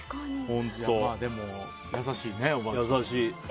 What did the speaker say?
でも優しいね、おばあちゃん。